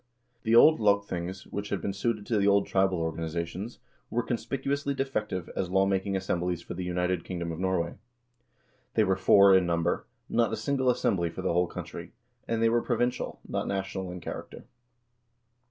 The old lagthings, which had been well suited to the old tribal organization, were conspicuously defective as lawmaking assemblies for the united kingdom of Norway. They were four in number, not a single assembly for the whole country, and they were provincial, not national in character.